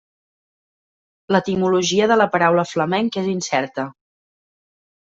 L'etimologia de la paraula flamenc és incerta.